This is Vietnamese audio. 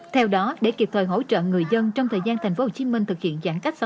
theo đó để kịp thời hỗ trợ người dân trong thời gian thành phố hồ chí minh thực hiện giãn cách xã